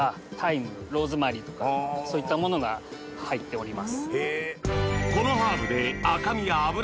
そういったものが入っております。